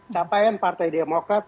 sampai yang partai demokrat